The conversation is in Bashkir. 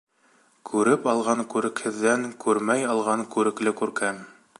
Күреп алған күрекһеҙҙән, күрмәй алған күрекле күркәм.